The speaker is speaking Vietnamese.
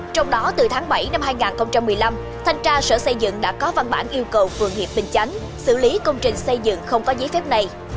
trong đó từ tháng bảy năm hai nghìn một mươi năm thanh tra sở xây dựng đã có văn bản yêu cầu phường hiệp bình chánh xử lý công trình xây dựng không có giấy phép này